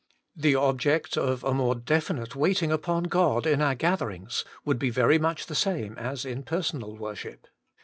The object of a more definite waiting upon •Crod in our gatherings would be rery much the same as in personal worship.